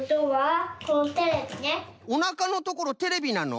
おなかのところテレビなの？